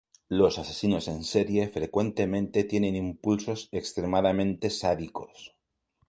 Los asesinos en serie frecuentemente tienen impulsos extremadamente sádicos.